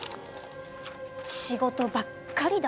仕事ばっかりだ。